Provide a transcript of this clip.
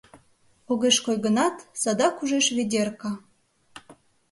Огеш кой гынат, садак ужеш Ведерка.